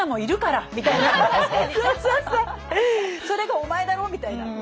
それがお前だろ？みたいな。